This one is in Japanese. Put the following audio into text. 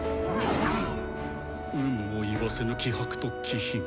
有無を言わせぬ気迫と気品。